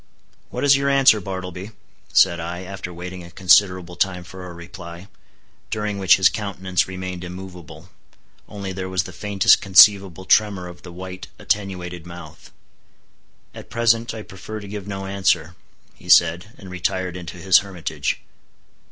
"What is your answer, Bartleby?" said I, after waiting a considerable time for a reply, during which his countenance remained immovable, only there was the faintest conceivable tremor of the white attenuated mouth. "At present I prefer to give no answer," he said, and retired into his hermitage.